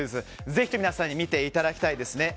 ぜひとも皆さんに見ていただきたいです。